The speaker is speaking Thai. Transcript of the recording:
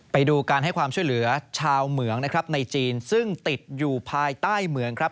ไปดูการให้ความช่วยเหลือชาวเหมืองนะครับในจีนซึ่งติดอยู่ภายใต้เหมืองครับ